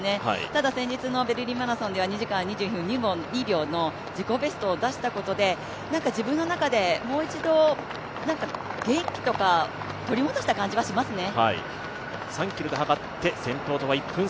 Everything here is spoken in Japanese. ただ先日のベルリンマラソンで２時間２１分２秒の自己ベストを出したことで自分の中でもう一度、元気とかを取り戻した感じはしますね。